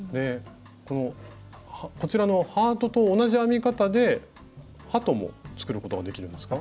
こちらのハートと同じ編み方で鳩も作ることができるんですか？